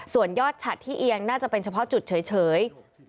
ส่วนยอดฉัดที่เอียงน่าจะเป็นเฉพาะจุดเฉย